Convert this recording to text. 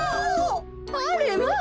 あれまあ！